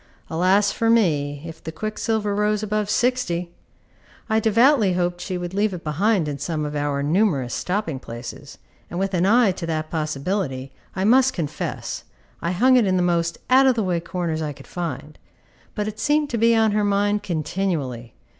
Alas for me if the quicksilver rose above 60! I devoutly hoped she would leave it behind in some of our numerous stopping places, and with an eye to that possibility, I must confess, I hung it in the most out of the way corners I could find; but it seemed to be on her mind continually.